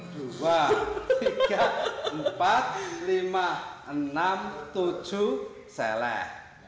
dua tiga empat lima enam tujuh selesai